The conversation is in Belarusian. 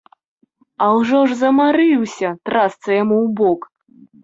А ўжо ж замарыўся, трасца яму ў бок!